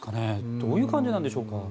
どういう感じなんでしょうか。